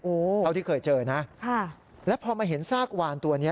โอ้โฮค่ะแล้วที่เคยเจอนะแล้วพอมาเห็นซากวานตัวนี้